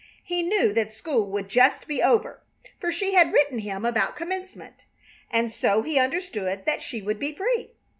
He knew that school would just be over, for she had written him about Commencement, and so he understood that she would be free.